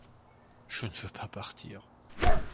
Je ne veux pas partir.